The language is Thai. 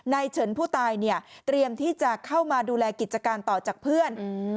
เฉินผู้ตายเนี่ยเตรียมที่จะเข้ามาดูแลกิจการต่อจากเพื่อน